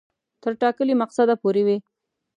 تر ټاکلي مقصده پوري وي.